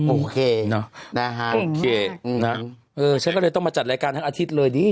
โอเคโอเคฉันก็เลยต้องมาจัดรายการทั้งอาทิตย์เลยดีนะ